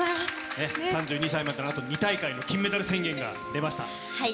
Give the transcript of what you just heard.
３２歳までとなると、２大会の金メダル宣言が出ました。